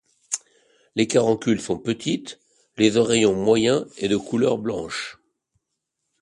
Les caroncules sont petites, les oreillons moyens et de couleur blanche.